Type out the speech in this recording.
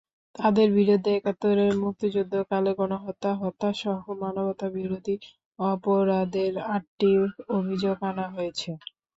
তাঁদের বিরুদ্ধে একাত্তরে মুক্তিযুদ্ধকালে গণহত্যা, হত্যাসহ মানবতাবিরোধী অপরাধের আটটি অভিযোগ আনা হয়েছে।